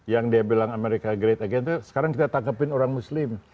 yang dia bilang america great again itu sekarang kita tangepin orang muslim